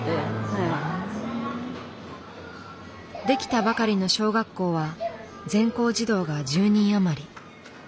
出来たばかりの小学校は全校児童が１０人余り。